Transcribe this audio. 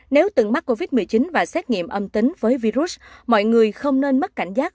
nếu từng mắc covid một mươi chín và xét nghiệm âm tính với virus mọi người không nên mất cảnh giác